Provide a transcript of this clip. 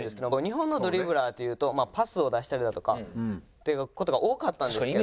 日本のドリブラーというとパスを出したりだとかっていう事が多かったんですけど。